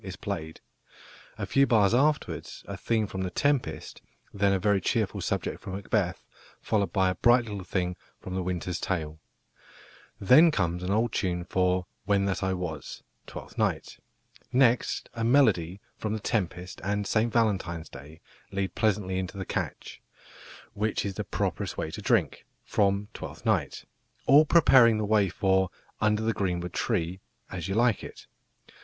is played. A few bars afterwards a theme from The Tempest, then a very cheerful subject from Macbeth, followed by a bright little thing from The Winter's Tale. Then comes an old tune for "When that I was" (Twelfth Night); next a melody from The Tempest and "St Valentine's Day" lead pleasantly into the catch, "Which is the properest day to drink," from Twelfth Night, all preparing the way for "Under the greenwood tree" (As You Like It).